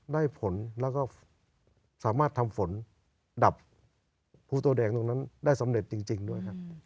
ได้ผลแล้วก็สามารถทำฝนดับภูโตแดงตรงนั้นได้สำเร็จจริงด้วยครับ